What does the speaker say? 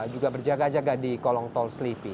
juga berjaga jaga di kolong tol selipi